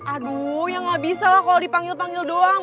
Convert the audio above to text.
aduh ya nggak bisa lah kalo dipanggil panggil doang